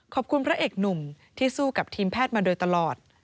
พระเอกหนุ่มที่สู้กับทีมแพทย์มาโดยตลอด